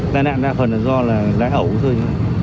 tài nạn đa phần là do lái ẩu thôi